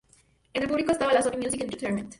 Entre el público estaba la Sony Music Entertainment.